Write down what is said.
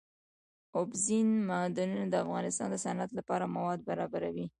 اوبزین معدنونه د افغانستان د صنعت لپاره مواد برابروي.